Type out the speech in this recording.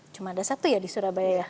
cuma ada satu ya di surabaya ya